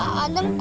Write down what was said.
aku mau lihat